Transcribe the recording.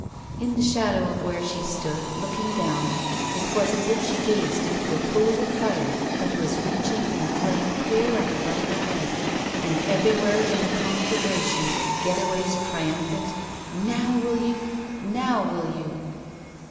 In the shadow of where she stood, looking down, it was as if she gazed into a pool of fire that was reaching in flame clear up about her head, and everywhere in the conflagration Getaway's tritun phant Now will you! Now will you!"